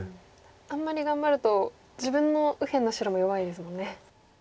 あんまり頑張ると自分の右辺の白も弱いですもんね。